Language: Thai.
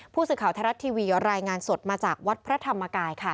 ผู้สื่อข่าวไทยรัฐทีวีรายงานสดมาจากวัดพระธรรมกายค่ะ